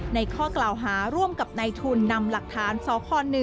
ในข้อกล่าวหาร่วมกับนายทุนนำหลักฐานซ้อข้อ๑